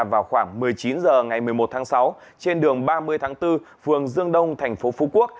vào khoảng một mươi chín h ngày một mươi một tháng sáu trên đường ba mươi tháng bốn phường dương đông thành phố phú quốc